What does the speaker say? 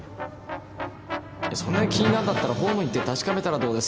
そんなに気になるんだったらホームに行って確かめたらどうです？